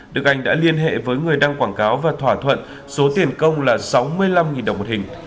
đức anh đã liên hệ với người đăng quảng cáo và thỏa thuận số tiền công là sáu mươi năm đồng một hình